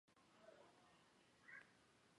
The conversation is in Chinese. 萨莱普拉特是德国图林根州的一个市镇。